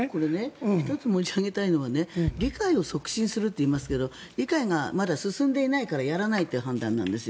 １つ申し上げたいのは理解を促進すると言いますが理解がまだ進んでいないからやらないという判断なんですよ。